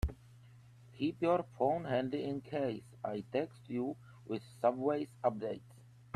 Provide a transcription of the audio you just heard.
Keep your phone handy in case I text you with subway updates.